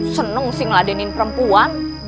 seneng sih ngeladenin perempuan